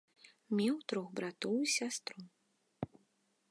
Меў трох братоў і сястру.